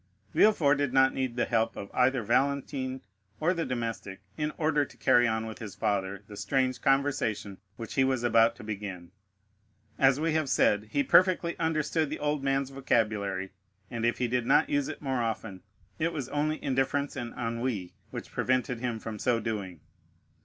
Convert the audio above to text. Villefort did not need the help of either Valentine or the domestic in order to carry on with his father the strange conversation which he was about to begin. As we have said, he perfectly understood the old man's vocabulary, and if he did not use it more often, it was only indifference and ennui which prevented him from so doing.